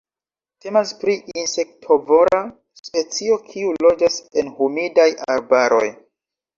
Temas pri insektovora specio kiu loĝas en humidaj arbaroj.